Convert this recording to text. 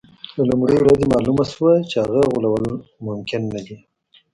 له لومړۍ ورځې معلومه شوه چې هغه غولول ممکن نه دي.